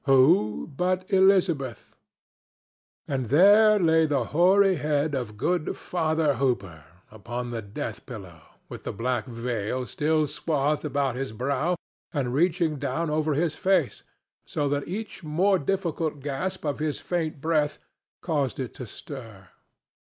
Who but Elizabeth! And there lay the hoary head of good Father Hooper upon the death pillow with the black veil still swathed about his brow and reaching down over his face, so that each more difficult gasp of his faint breath caused it to stir.